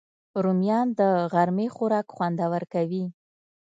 رومیان د غرمې خوراک خوندور کوي